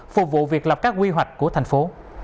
phục vụ việc lập các quy hoạch của thành phố